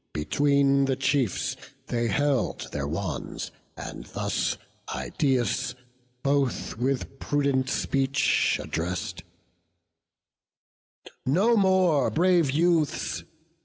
Between the chiefs they held their wands, and thus Idaeus both with prudent speech address'd: "No more, brave youths!